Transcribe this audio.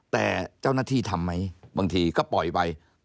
แต่เจ้าหน้าที่ทำไหมบางทีก็ปล่อยไป